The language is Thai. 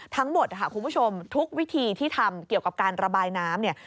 ทั้งหมดค่ะคุณผู้ชมทุกวิธีที่ทำเกี่ยวกับการระบายน้ำเนี่ย